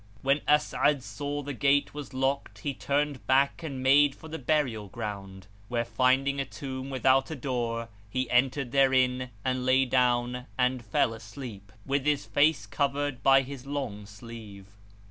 When As'ad saw the gate was locked, he turned back and made for the burial ground, where finding a tomb without a door, he entered therein and lay down and fell asleep, with his face covered by his long sleeve.